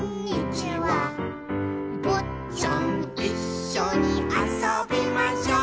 「ぼっちゃんいっしょにあそびましょう」